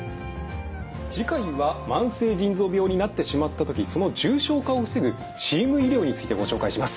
次回は慢性腎臓病になってしまった時その重症化を防ぐチーム医療についてご紹介します。